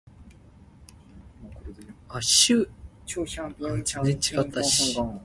秋分，暝日對分